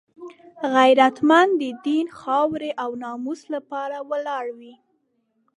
غیرتمند د دین، خاورې او ناموس لپاره ولاړ وي